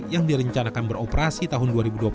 yang direncanakan beroperasi tahun dua ribu dua puluh satu